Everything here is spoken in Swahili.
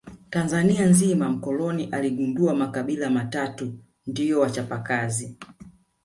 Tanzania nzima mkoloni aligundua makabila matatu ndio wachapa kazi